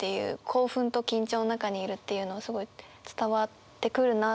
興奮と緊張の中にいるっていうのをすごい伝わってくるな。